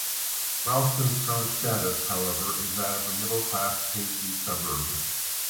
Ralston's current status, however, is that of a middle-class Paisley suburb.